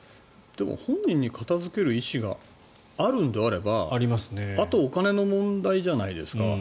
でも本人に片付ける意思があるのであればあとお金の問題じゃないですか。